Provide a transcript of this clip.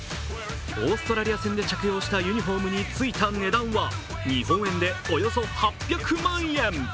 オーストラリア戦で着用したユニフォームについた値段は日本円でおよそ８００万円。